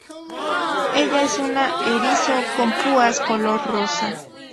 Ella es una erizo con púas color rosa.